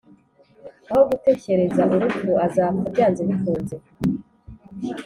Aho gutekereza urupfu azapfa byanze bikunze,